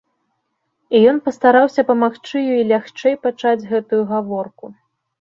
І ён пастараўся памагчы ёй лягчэй пачаць гэтую гаворку.